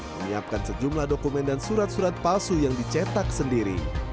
menyiapkan sejumlah dokumen dan surat surat palsu yang dicetak sendiri